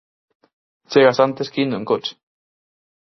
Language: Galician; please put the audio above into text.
Chegas antes que indo en coche.